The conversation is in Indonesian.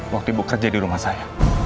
waktu ibu kerja di rumah saya